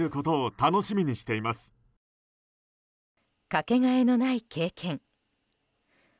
かけがえのない経験。